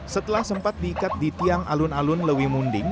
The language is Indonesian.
setelah sempat diikat di tiang alun alun lewi munding